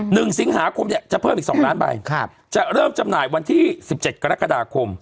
หนึ่งสิงหาคมเนี่ยจะเพิ่มอีกสองล้านใบครับจะเริ่มจำหน่ายวันที่สิบเจ็ดกรกฎาคม